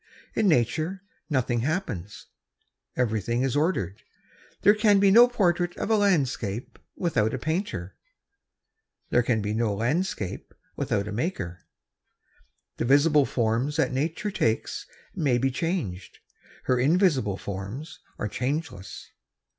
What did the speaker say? In nature nothing happens. Everything is ordered. There can be no portrait of a landscape without a painter. There can be no landscape without a maker. The visible forms that nature takes may be changed. Her invisible forms are changeless.